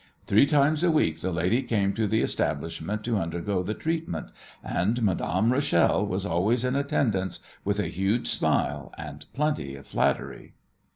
Three times a week the lady came to the establishment to undergo the treatment, and Madame Rachel was always in attendance, with a huge smile and plenty of flattery.